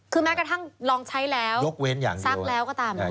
คือแม้กระทั่งลองใช้แล้วซักแล้วก็ตาม